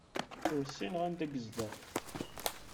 Ur ssineɣ anda yezdeɣ.